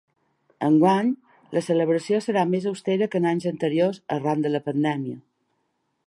Enguany, la celebració serà més austera que en anys anteriors arran de la pandèmia.